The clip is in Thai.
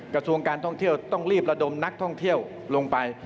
กระทรวงการท่องเที่ยวต้องรีบระดมนักท่องเที่ยวลงไป